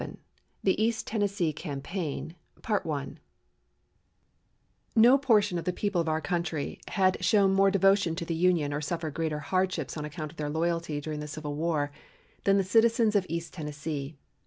VII THE EAST TENNESSEE CAMPAIGN No portion of the people of our country had shown more devotion to the Union or suffered greater hardships on account of their loyalty during the Civil War than the citizens of East Tennessee.